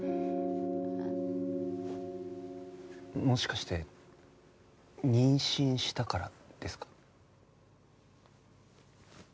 もしかして妊娠したからですか？